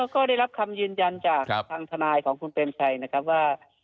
ก็ได้รับคำยืนยันจากทางทนายของคุณเปรมชัยนะครับว่า